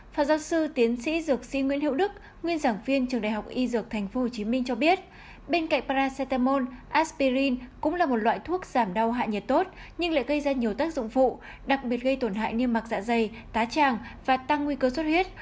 phó giáo sư tiến sĩ dược sĩ nguyễn hiệu đức nguyên giảng viên trường đại học y dược tp hcm cho biết bên cạnh paracetamol aspirin cũng là một loại thuốc giảm đau hạ nhiệt tốt nhưng lại gây ra nhiều tác dụng phụ đặc biệt gây tổn hại như mặt dạ dày tá tràng và tăng nguy cơ xuất huyết